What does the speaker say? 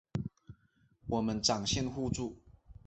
我们展现互助